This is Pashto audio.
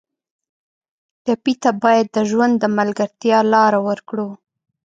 ټپي ته باید د ژوند د ملګرتیا لاره ورکړو.